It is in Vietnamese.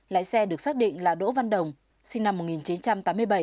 lái xe được xác định là đỗ văn đồng sinh năm một nghìn chín trăm tám mươi bảy